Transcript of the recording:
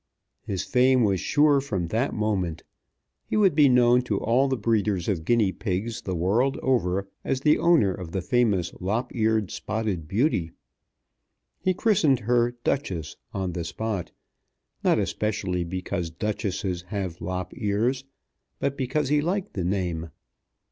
His fame was sure from that moment. He would be known to all the breeders of guinea pigs the world over as the owner of the famous lop eared spotted beauty. He christened her Duchess on the spot, not especially because duchesses have lop ears, but because he liked the name.